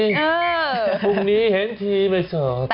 พรุ่งนี้เห็นทีไม่สอบ